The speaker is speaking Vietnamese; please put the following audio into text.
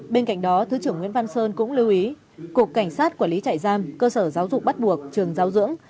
bên cạnh đó thứ trưởng nguyễn văn sơn cũng lưu ý cục cảnh sát quản lý trại giam cơ sở giáo dục bắt buộc trường giáo dưỡng